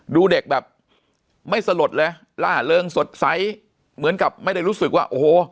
ดูเด็กแบบไม่สลดเลยล่าเริงสดใสเหมือนกับไม่ได้รู้สึกว่าโอ้โห